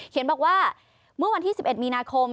บอกว่าเมื่อวันที่๑๑มีนาคม